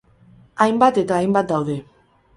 Hainbat eta hainbat daude.